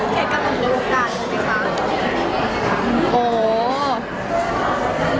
แกกำลังลูกกาลหรือเปล่า